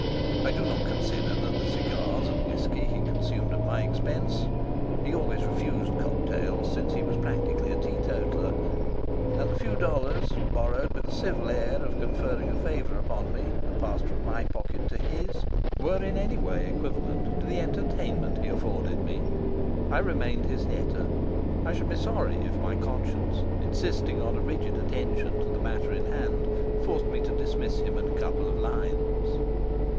I do not consider that the cigars and whisky he consumed at my expense (he always refused cocktails, since he was practically a teetotaller), and the few dollars, borrowed with a civil air of conferring a favour upon me, that passed from my pocket to his, were in any way equivalent to the entertainment he afforded me. I remained his debtor. I should be sorry if my conscience, insisting on a rigid attention to the matter in hand, forced me to dismiss him in a couple of lines.